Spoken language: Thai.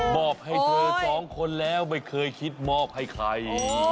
บอกให้เธอสองคนแล้วไม่เคยคิดมอบให้ใคร